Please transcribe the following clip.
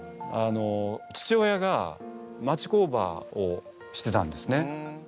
父親が町工場をしてたんですね。